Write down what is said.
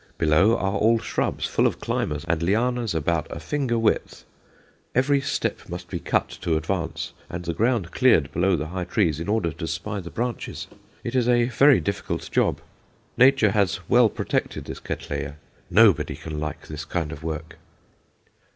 Below are all shrubs, full of climbers and lianas about a finger thick. Every step must be cut to advance, and the ground cleared below the high trees in order to spy the branches. It is a very difficult job. Nature has well protected this Cattleya.... Nobody can like this kind of work."